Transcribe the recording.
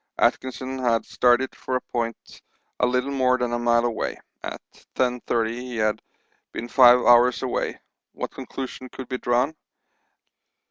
Atkinson had started for a point a little more than a mile away; at 10.30 he had been five hours away; what conclusion could be drawn?